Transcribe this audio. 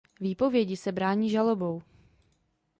Výpovědi se brání žalobou.